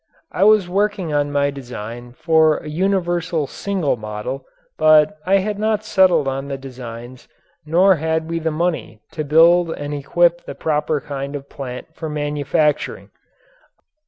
I was working on my design for a universal single model but I had not settled the designs nor had we the money to build and equip the proper kind of plant for manufacturing.